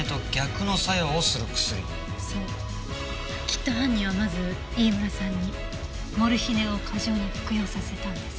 きっと犯人はまず飯村さんにモルヒネを過剰に服用させたんです。